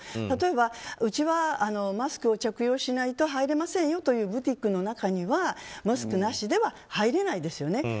例えばうちはマスクを着用しないと入れませんよというブティックの中にはマスクなしでは入れないですよね。